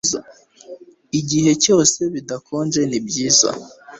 Igihe cyose bidakonje nibyiza